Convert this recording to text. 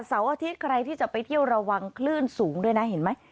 อาทิตย์ใครที่จะไปเที่ยวระวังคลื่นสูงด้วยนะเห็นไหม